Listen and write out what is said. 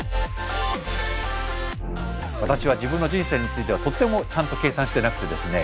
私は自分の人生についてはとてもちゃんと計算してなくてですね。